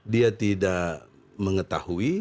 dia tidak mengetahui